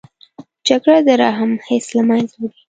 جګړه د رحم حس له منځه وړي